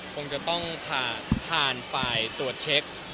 คงจะต้องผ่านฝ่ายตรวจเช็ค